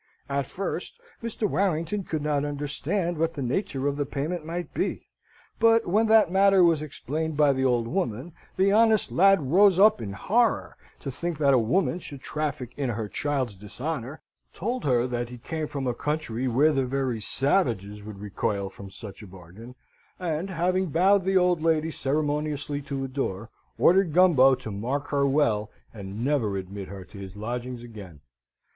At first, Mr. Warrington could not understand what the nature of the payment might be: but when that matter was explained by the old woman, the honest lad rose up in horror, to think that a woman should traffic in her child's dishonour, told her that he came from a country where the very savages would recoil from such a bargain; and, having bowed the old lady ceremoniously to the door, ordered Gumbo to mark her well, and never admit her to his lodgings again.